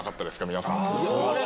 皆さん。